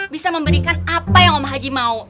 bisa memberikan apa yang om haji mau